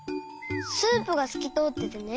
スープがすきとおっててね。